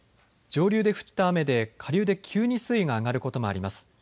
上流で降った雨で下流で急に水位が上がることもあります。